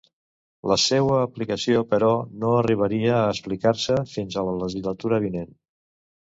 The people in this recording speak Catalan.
La seua aplicació, però, no arribaria a aplicar-se fins a la legislatura vinent.